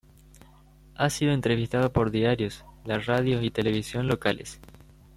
Ha sido entrevistado por diarios, la radio y televisión locales.